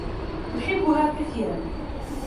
يحبها كثيرا.